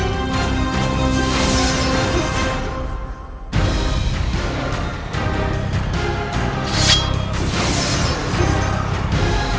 tetapi karena kelepasanmu